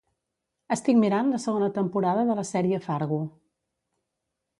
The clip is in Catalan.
Estic mirant la segona temporada de la sèrie Fargo.